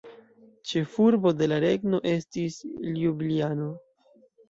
Ĉefurbo de la regno estis Ljubljano.